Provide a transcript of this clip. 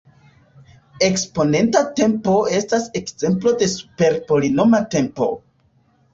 Eksponenta tempo estas ekzemplo de super-polinoma tempo.